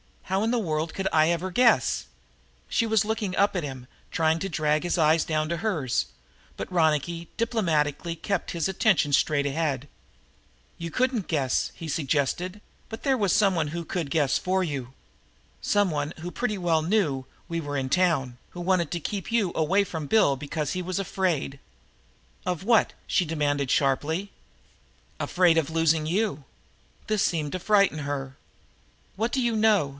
"How in the world could I ever guess " She was looking up to him, trying to drag his eyes down to hers, but Ronicky diplomatically kept his attention straight ahead. "You couldn't guess," he suggested, "but there was someone who could guess for you. Someone who pretty well knew we were in town, who wanted to keep you away from Bill because he was afraid " "Of what?" she demanded sharply. "Afraid of losing you." This seemed to frighten her. "What do you know?"